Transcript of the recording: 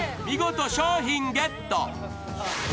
見事商品ゲット！